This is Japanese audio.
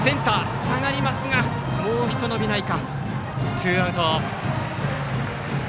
ツーアウト。